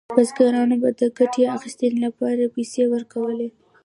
بزګرانو به د ګټې اخیستنې لپاره پیسې ورکولې.